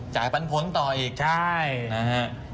จ่ายปันผลต่ออีกนะครับค่ะใช่